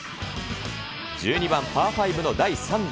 １２番パー５の第３打。